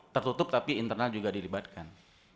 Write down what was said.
tertutup tapi internal juga dilibatkan